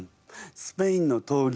スペインの闘牛